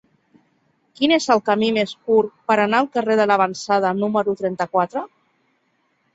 Quin és el camí més curt per anar al carrer de L'Avançada número trenta-quatre?